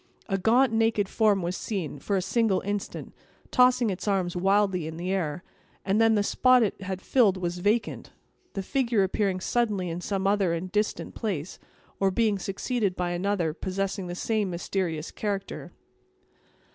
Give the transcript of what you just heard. A gaunt, naked form was seen, for a single instant, tossing its arms wildly in the air, and then the spot it had filled was vacant; the figure appearing suddenly in some other and distant place, or being succeeded by another, possessing the same mysterious character.